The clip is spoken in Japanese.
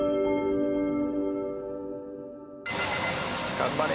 頑張れ。